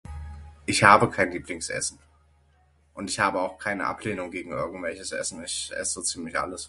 Ich habe kein Lieblingsessen und ich habe auch keine Ablehnung gegen irgendwelches essen, ich ess so ziemlich alles.